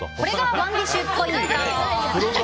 ＯｎｅＤｉｓｈポイント